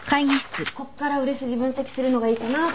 こっから売れ筋分析するのがいいかなと思って。